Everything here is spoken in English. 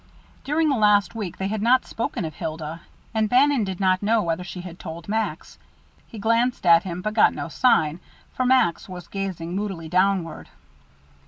During the last week they had not spoken of Hilda, and Bannon did not know whether she had told Max. He glanced at him, but got no sign, for Max was gazing moodily downward.